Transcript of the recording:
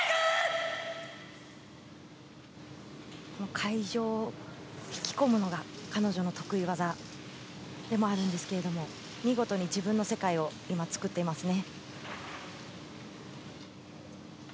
会場を引き込むのが彼女の得意技でもあるんですけど、見事に自分の世界を今作っていますね。